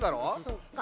そっか。